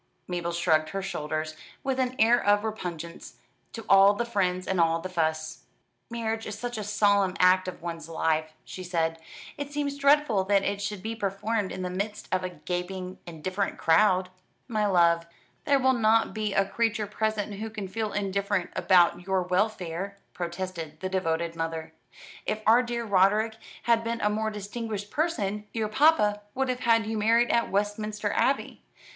Mabel shrugged her shoulders, with an air of repugnance to all the friends and all the fuss. "Marriage is such a solemn act of one's life," she said. "It seems dreadful that it should be performed in the midst of a gaping, indifferent crowd." "My love, there will not be a creature present who can feel indifferent about your welfare," protested the devoted mother. "If our dear Roderick had been a more distinguished person, your papa would have had you married in Westminster Abbey.